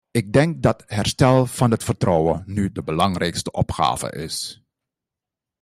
Ik denk dat herstel van het vertrouwen nu de belangrijkste opgave is.